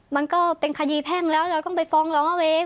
มันก็เป็นคดีแพ่งแล้วเราต้องไปฟ้องร้องเอาเอง